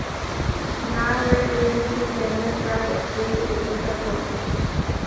Nawe nibiki byemeza ukuriuvuga koko